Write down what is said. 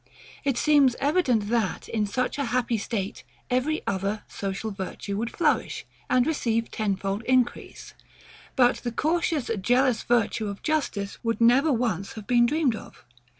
It seems evident that, in such a happy state, every other social virtue would flourish, and receive tenfold increase; but the cautious, jealous virtue of justice would never once have been dreamed of.